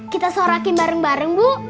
kita sorakin bareng bareng bu